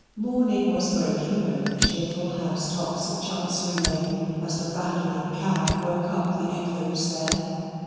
Morning was breaking over the cheerful house tops of Chancery Lane as the rattling cab woke up the echoes there.